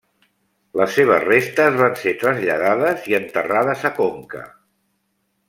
Les seves restes van ser traslladades i enterrades a Conca.